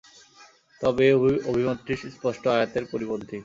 তবে এ অভিমতটি স্পষ্ট আয়াতের পরিপন্থী।